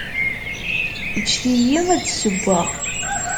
Ǧǧet-iyi ad d-ssewweɣ.